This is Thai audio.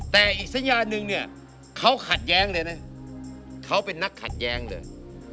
แต่อีกสัญญานึงเนี่ยเขาขัดแย้งเลยนะเขาเป็นนักขัดแย้งเลย